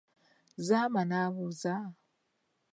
Zama n'abuuza.